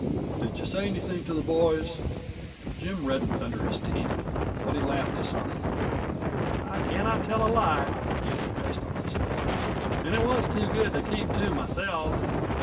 Did you say anything to the boys?" Jim reddened under his tan, but he laughed disarmingly. "I cannot tell a lie," he confessed honestly, "and it was too good to keep to myself.